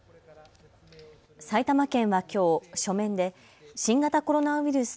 埼玉県はきょう書面で新型コロナウイルス